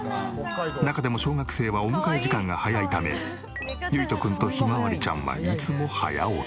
中でも小学生はお迎え時間が早いため結人くんと向日葵ちゃんはいつも早起き。